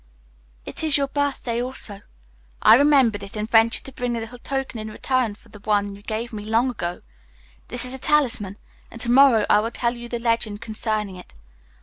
"It is your birthday also. I remembered it, and ventured to bring a little token in return for the one you gave me long ago. This is a talisman, and tomorrow I will tell you the legend concerning it.